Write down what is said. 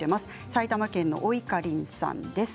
埼玉県の方からです。